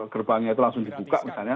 gerbangnya itu langsung dibuka misalnya